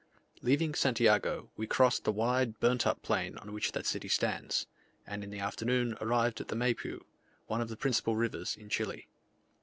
Leaving Santiago we crossed the wide burnt up plain on which that city stands, and in the afternoon arrived at the Maypu, one of the principal rivers in Chile.